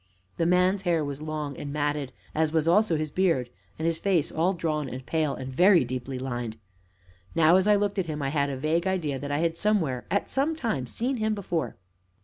The man's hair was long and matted, as was also his beard, and his face all drawn and pale, and very deeply lined. Now, as I looked at him, I had a vague idea that I had somewhere, at some time, seen him before.